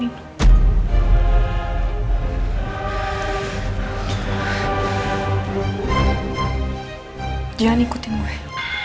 jangan ikuti gue